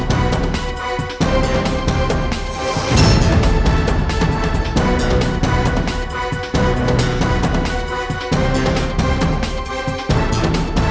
dan saya juga tau tante